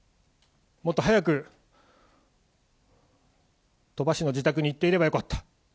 もっと早く鳥羽氏の自宅に行っていればよかった。